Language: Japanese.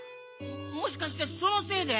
もしかしてそのせいで？